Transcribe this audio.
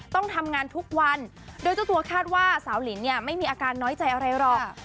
ต้องทำงานทุกวันโดยเจ้าตัวคาดว่าสาวหลินเนี่ยไม่มีอาการน้อยใจอะไรหรอก